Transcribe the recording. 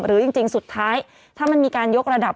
หรือจริงสุดท้ายถ้ามันมีการยกระดับ